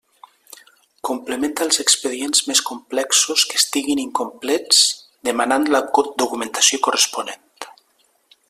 Complementa els expedients més complexos que estiguin incomplets demanant la documentació corresponent.